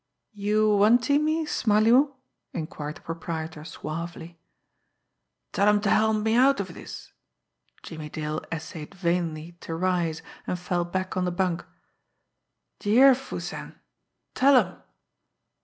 "You wantee me, Smarly'oo?" inquired the proprietor suavely. "Tell 'em to help me out of this." Jimmie Dale essayed vainly to rise, and fell back on the bunk. "D'ye hear, Foo Sen tell'em!